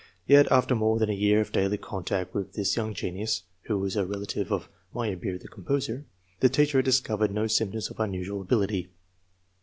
Yet, after more than a year of daily contact with this young genius (who is a relative of Meyerbeer, the composer), the teacher had discovered no symptoms of unusual ability.